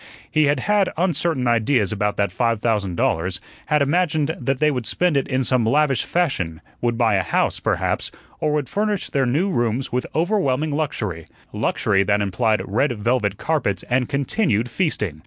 He had had uncertain ideas about that five thousand dollars; had imagined that they would spend it in some lavish fashion; would buy a house, perhaps, or would furnish their new rooms with overwhelming luxury luxury that implied red velvet carpets and continued feasting.